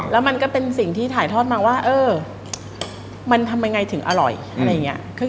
แล้วมันก็เป็นสิ่งที่ถ่ายทอดมาว่าเออมันทำยังไงถึงอร่อยอะไรอย่างนี้